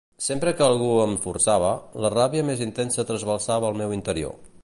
Sempre que algú em forçava, la ràbia més intensa trasbalsava el meu interior.